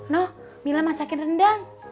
nuh mila masakin rendang